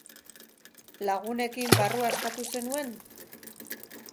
Lagunekin barrua askatu zenuen?